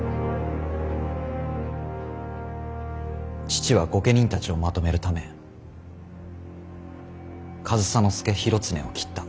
父は御家人たちをまとめるため上総介広常を斬った。